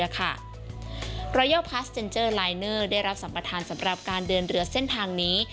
การเดินเรือเส้นทางนี้